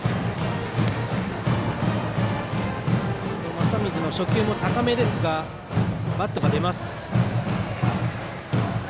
正水の初球も高めですがバットが出ます。